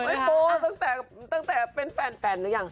ไม่ไม่พอตั้งแต่เป็นแฟนหรือยัง